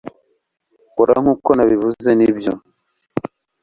kora nkuko nabivuze, nibyo